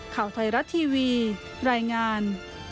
ข่าวไทยรัฐทีวีรายงาน